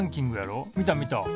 見た見た。